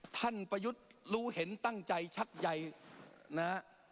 ท่านประยุทธ์รู้เห็นตั้งใจชัดใยนะ